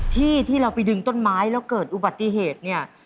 ที่เราไปดึงต้นไม้แล้วเกิดอุบัติเหตุเนี่ย